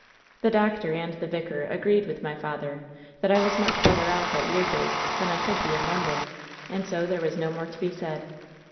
"The doctor and the vicar agreed with my father, that I was much better off at Weirdwaste than I could be in London. And so there was no more to be said.